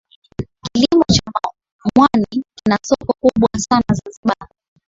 kilimo cha mwani kina soko kubwa sana Zanzibar